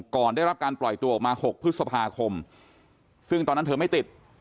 ก่อนได้รับการปล่อยตัวออกมา๖พฤษภาคมซึ่งตอนนั้นเธอไม่ติด